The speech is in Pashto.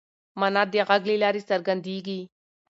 مانا د غږ له لارې څرګنديږي.